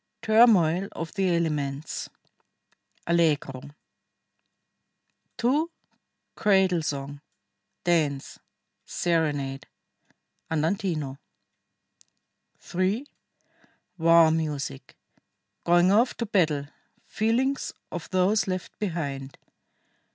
TURMOIL OF THE ELEMENTS (Allegro) 2. CRADLE SONG. DANCE. SERENADE (Andantino) 3. WAR MUSIC. GOING OFF TO BATTLE. FEELINGS OF THOSE LEFT BEHIND.